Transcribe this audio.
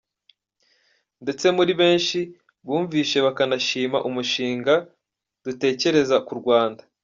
Ndetse muri benshi bumvise bakanashima umushinga dutekereza ku Rwanda.